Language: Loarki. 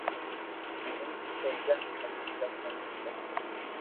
ھين شيجا ري مدد ڪرو ھين ڪروا ديئو